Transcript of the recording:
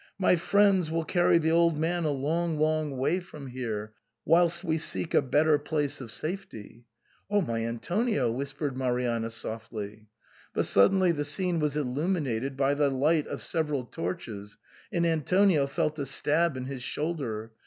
My friends will carry the old man a long, long way from here, whilst we seek a better place of safety." " O my Antonio !" whispered Marianna softly. But suddenly the scene was illuminated by the light of several torches, and Antonio felt a stab in his shoulder.